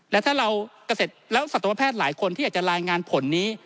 และสัตวแพทย์หลายคนที่อยากจะรายงานผลนี้